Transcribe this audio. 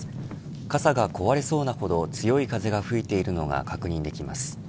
傘が壊れそうなほど強い風が吹いているのが確認できます。